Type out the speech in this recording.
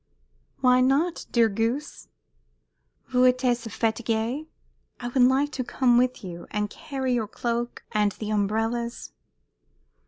"Why not, dear goose?" "Vous êtes fatiguée. I would like to come with you, and carry your cloak and the umbrellas."